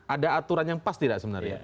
ada aturan yang pas tidak sebenarnya